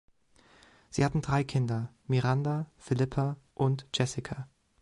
Sie hatten drei Kinder, Miranda, Philippa und Jessica.